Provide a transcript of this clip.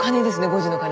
５時の鐘。